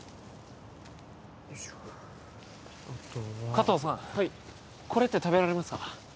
加藤さんはいこれって食べられますか？